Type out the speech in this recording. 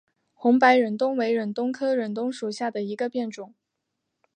红白忍冬为忍冬科忍冬属下的一个变种。